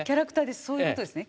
そういうことですね。